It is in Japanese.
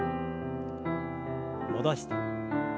戻して。